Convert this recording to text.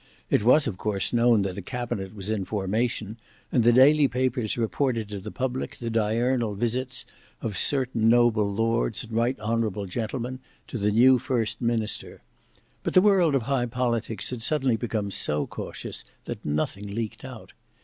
It was of course known that a cabinet was in formation, and the daily papers reported to the public the diurnal visits of certain noble lords and right honourable gentlemen to the new first minister. But the world of high politics had suddenly become so cautious that nothing leaked out.